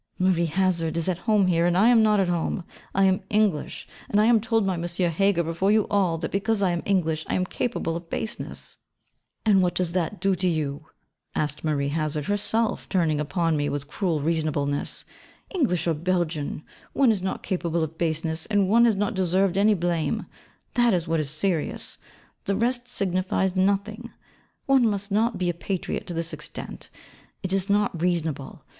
'Marie Hazard is at home here, and I am not at home. I am English; and I am told by M. Heger before you all, that because I am English I am capable of baseness.' 'And what does that do to you?' asked Marie Hazard, herself, turning upon me with her cruel reasonableness. 'English or Belgian, one is not capable of baseness, and one has not deserved any blame: that is what is serious; the rest signifies nothing. One must not be a patriot to this extent. It is not reasonable.